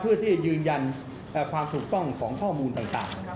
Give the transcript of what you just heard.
เพื่อที่ยืนยันความถูกต้องของข้อมูลต่าง